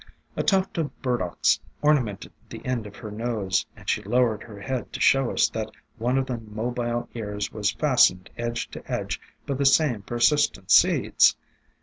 A tuft of Burdocks ornamented the end of her nose, and she lowered her head to show us that one of the mobile ears was fastened edge to edge by the same persistent seeds.